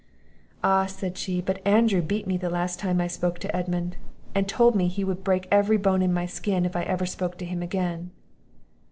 "Ah," said she, "but Andrew beat me the last time I spoke to Edmund; and told me he would break every bone in my skin, if ever I spoke to him again."